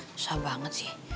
susah banget sih